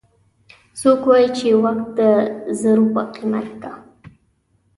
څوک وایي چې وخت د زرو په قیمت ده